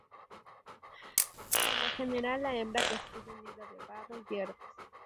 Por lo general la hembra construye un nido de barro y hierbas.